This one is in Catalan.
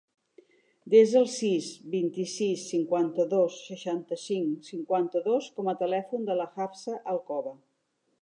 Desa el sis, vint-i-sis, cinquanta-dos, seixanta-cinc, cinquanta-dos com a telèfon de la Hafsa Alcoba.